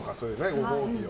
ご褒美を。